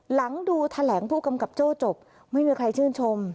หลังดูแถลงผู้กำกับโจ้จบไม่มีใครชื่นชม